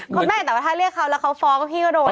แม่แต่ว่าถ้าเรียกเขาแล้วเขาฟ้องก็พี่ก็โดน